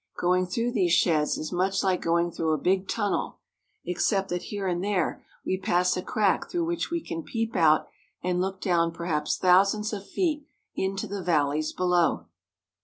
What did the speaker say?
Going through these sheds is much like going through a big tun nel, except that, here and there, we pass a crack through which we can peep out and look down perhaps thousands of feet into the valleys below.